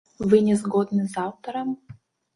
Вы не згодны з аўтарам?